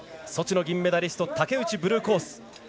ソチの銀メダリスト、竹内ブルーコース。